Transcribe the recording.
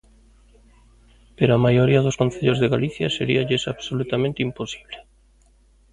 Pero á maioría dos concellos de Galicia seríalles absolutamente imposible.